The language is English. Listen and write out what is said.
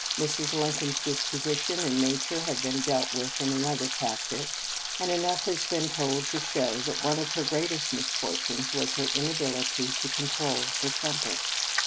Mrs. Lincoln's disposition and nature have been dwelt upon in another chapter, and enough has been told to show that one of her greatest misfortunes was her inability to control her temper.